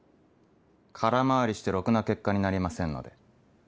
空回りしてろくな結果になりませんので。